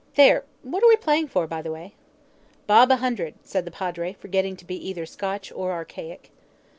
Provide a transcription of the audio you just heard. There! What are we playing for, by the way?" "Bob a hundred," said the Padre, forgetting to be either Scotch or archaic.